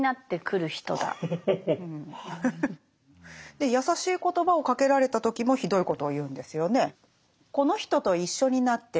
で優しい言葉をかけられた時もひどいことを言うんですよね。